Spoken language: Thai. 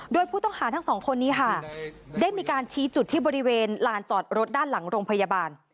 โดยผู้ต้องหาทั้งสองคนนี้ค่ะได้มีการชี้จุดที่บริเวณลานจอดรถด้านหลังโรงพยาบาล